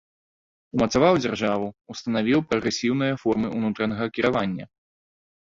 Умацаваў дзяржаву, устанавіў прагрэсіўныя формы ўнутранага кіравання.